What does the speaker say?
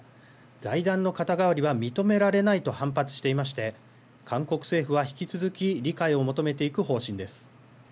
財団の肩代わりは認められないと反発していまして韓国政府は引き続き理解を求めていく方針です。